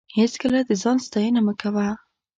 هېڅکله د ځان ستاینه مه کوه.